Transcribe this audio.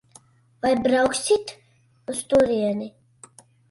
Vai brauksit uz turieni?